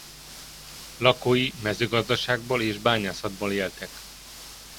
Lakói mezőgazdaságból és bányászatból éltek.